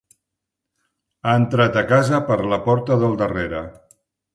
Ha entrat a casa per la porta del darrere.